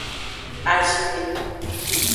Azinme.